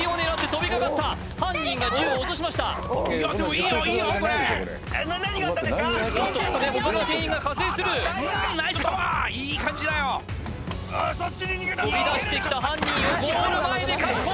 飛び出してきた犯人をゴール前で確保！